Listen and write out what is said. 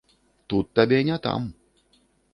Тут табе не там.